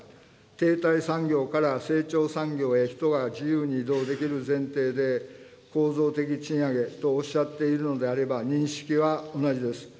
停滞産業から成長産業へ、人が自由に移動できる前提で、構造的賃上げとおっしゃっているのであれば、認識は同じです。